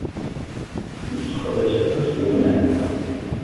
Nesseqdac aṭas n waman.